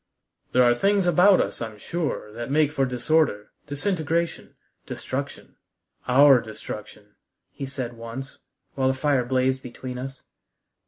"There are things about us, I'm sure, that make for disorder, disintegration, destruction, our destruction," he said once, while the fire blazed between us.